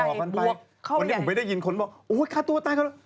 วันนี้ผมไม่ได้ยินคนบอกโอ้ยฆ่าตัวตายเขาแล้ว